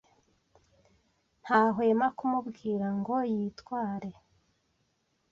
Ntahwema kumubwira ngo yitware.